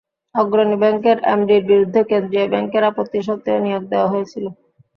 অগ্রণী ব্যাংকের এমডির বিরুদ্ধে কেন্দ্রীয় ব্যাংকের আপত্তি সত্ত্বেও নিয়োগ দেওয়া হয়েছিল।